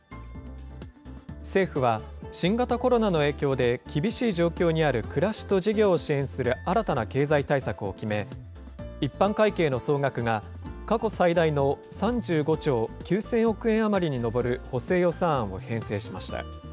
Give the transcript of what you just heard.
政府は、新型コロナの影響で厳しい状況にある暮らしと事業を支援する新たな経済対策を決め、一般会計の総額が過去最大の３５兆９０００億円余りに上る補正予算案を編成しました。